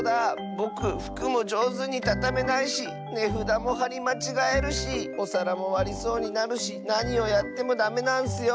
ぼくふくもじょうずにたためないしねふだもはりまちがえるしおさらもわりそうになるしなにをやってもダメなんッスよ！